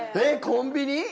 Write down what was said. えっコンビニ？